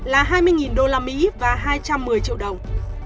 là hai mươi đô la mỹ và hai trăm một mươi triệu đồng